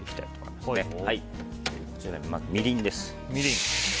まず、みりんです。